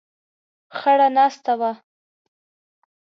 خړه ناسته وه.